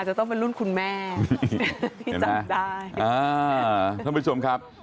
ท่านผู้ชมครับ